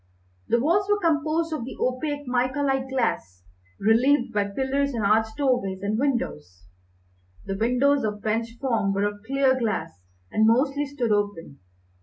The walls were composed of the opaque mica like glass, relieved by pillars and arched doorways and windows. The windows, of French form, were of clear glass, and mostly stood open.